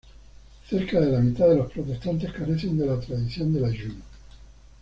Cerca de la mitad de los protestantes carecen de la tradición del ayuno.